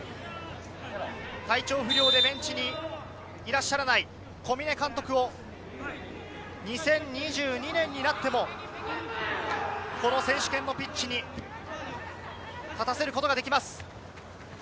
体調不良でベンチにいらっしゃらない小嶺監督を２０２２年になっても、この選手権のピッチに立たせることができます。